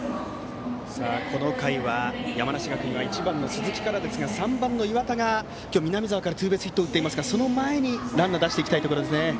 この回は山梨学院は１番の鈴木からですが３番の岩田が今日、南澤からツーベースヒットを打っていますからその前にランナーを出したいです。